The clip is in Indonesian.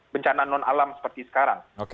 bencana non alam seperti sekarang